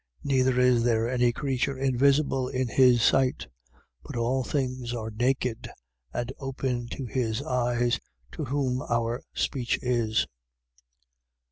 4:13. Neither is there any creature invisible in his sight: but all things are naked and open to his eyes, to whom our speech is.